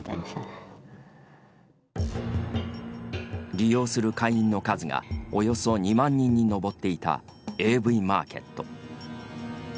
利用する会員の数がおよそ２万人に上っていたＡＶＭａｒｋｅｔ。